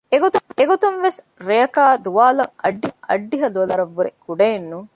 އެގޮތުން ވެސް އަގު ރެއަކާއި ދުވާލަކަށް އަށްޑިހަ ޑޮލަރަށް ވުރެ ކުޑައެއް ނޫން